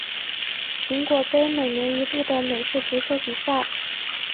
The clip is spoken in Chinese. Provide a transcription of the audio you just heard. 苹果杯每年一度的美式足球比赛。